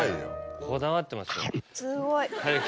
こだわってますよ。